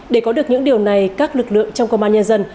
để có được những điều này các lực lượng trong công an nhân dân